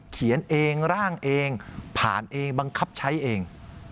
เขียนเองร่างเองผ่านเองบังคับใช้เอง